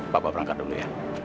papa perangkan dulu ya